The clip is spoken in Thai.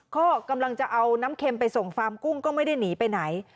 ก็กำลังจะเอาน้ำเค็มไปส่งฟาร์มกุ้งก็ไม่ได้หนีไปไหน